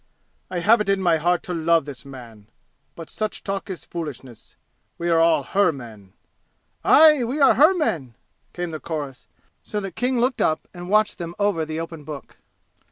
I have it in my heart to love this man. But such talk is foolishness. We are all her men!" "Aye! We are her men!" came the chorus, so that King looked up and watched them over the open book.